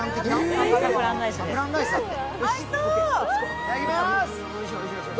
いただきまーす。